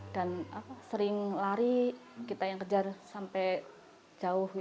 dan sering lari kita yang kejar sampai jauh gitu kan